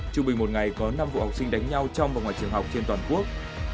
trung bình một ngày có năm vụ học sinh đánh nhau trong và ngoài trường học trên toàn quốc